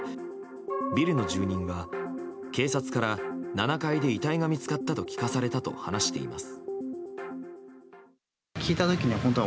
ビルの住人は警察から７回で遺体が見つかったと聞かされたと話しています。